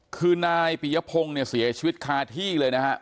คือนายปิยพงศ์เนี่ยเสียชีวิตคาที่เลยนะฮะ